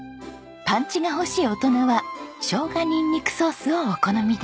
パンチが欲しい大人はしょうがにんにくソースをお好みで。